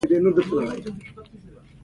زما د ډېرو هلو ځلو په نتیجه کې.